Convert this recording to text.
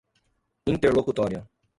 interlocutória